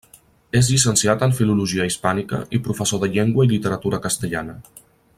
És llicenciat en filologia hispànica i professor de llengua i literatura castellana.